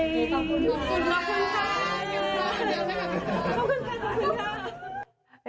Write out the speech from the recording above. ขอบคุณคุณค่ะ